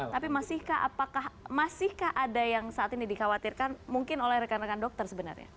tapi masihkah apakah masihkah ada yang saat ini dikhawatirkan mungkin oleh rekan rekan dokter sebenarnya